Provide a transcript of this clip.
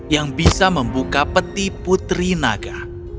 yang bisa membuka peti putri naga